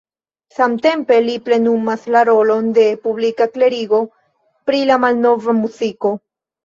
Samtempe li plenumas la rolon de publika klerigo pri la malnova muziko.